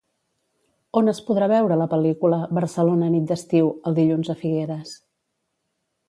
On es podrà veure la pel·lícula "Barcelona nit d'estiu" el dilluns a Figueres?